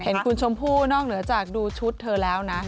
เห็นคุณชมพู่นอกเหนือจากดูชุดเธอแล้วนะ